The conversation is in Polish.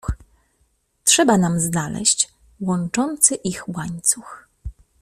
"Trzeba nam znaleźć łączący ich łańcuch."